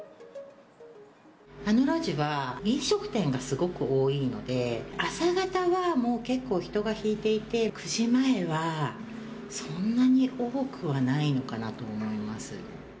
あの路地は飲食店がすごく多いので、朝方はもう結構人が引いていて、９時前はそんなに多くはないのかなと思います。